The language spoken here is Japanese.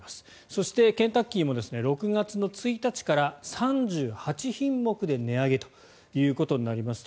そしてケンタッキーも６月１日から３８品目で値上げということになります。